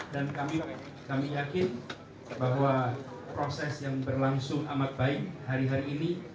dan kami yakin bahwa proses yang berlangsung amat baik hari hari ini